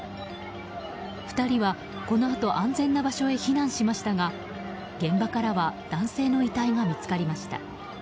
２人は、このあと安全な場所へ避難しましたが現場からは男性の遺体が見つかりました。